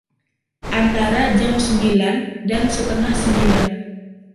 Antara jam sembilan dan setengah sembilan.